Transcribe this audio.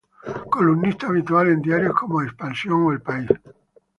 Columnista habitual en diarios como "Expansión" o "El País.